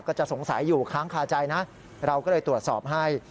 ก็จะสงสัยอยู่ค้างคาใจนะเราก็เลยตรวจสอบให้